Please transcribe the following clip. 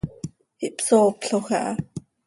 Ihpsooploj aha.